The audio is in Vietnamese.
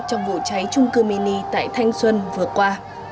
trong vụ cháy trung cư mini tại thanh xuân vừa qua